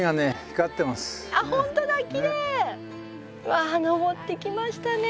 わあ登ってきましたね。